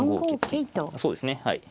そうですねはい。